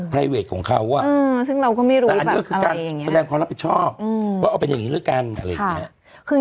คาดหวังของแฟนคลับหลายกลุ่มหลายคน